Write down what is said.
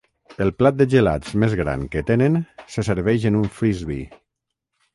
El plat de gelats més gran que tenen se serveix en un Frisbee.